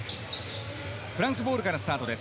フランスボールからスタートです。